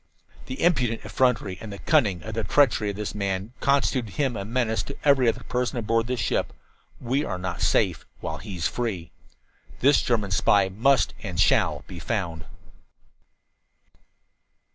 "The impudent effrontery and the cunning treachery of this man constitute him a menace to every other person aboard this ship. We are not safe while he is free. "This German spy must and shall be found."